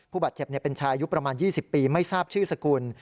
ผู้บาดเจ็บเป็นชายอายุประมาณ๒๐ปีไม่ทราบชื่อสกุล